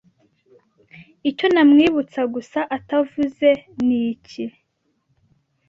Icyo namwibutsa gusa atavuze niki